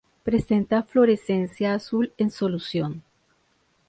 Presenta fluorescencia azul en solución.